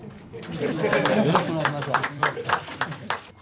よろしくお願いします。